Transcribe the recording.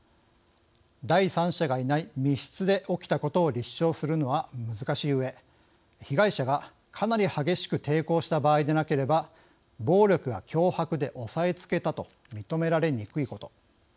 第三者がいない密室で起きたことを立証するのは難しいうえ被害者がかなり激しく抵抗した場合でなければ暴力や脅迫で押さえつけたと認められにくいこと。